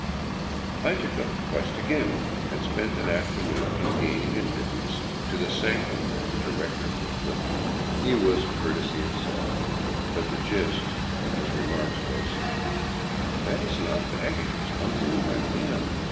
I took up the quest again — and spent an afternoon in gaining admittance to the sanctum of the Director of Posts. He was courtesy itself, but the gist of his remarks was: " That is not baggage which comes in by mail.